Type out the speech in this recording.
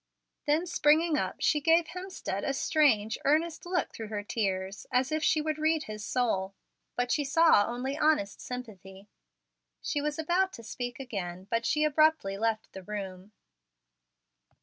Then, springing up, she gave Hemstead a strange, earnest look through her tears, as if she would read his soul. But she saw only honest sympathy. He was about to speak again, but she abruptly left the room.